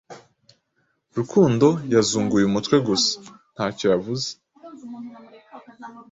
Rukundo yazunguye umutwe gusa ntacyo yavuze.